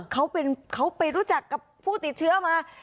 เขาไปรู้จักกับผู้ติดเชื้อมา